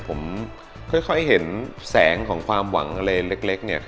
ผมค่อยเห็นแสงของความหวังอะไรเล็กเนี่ย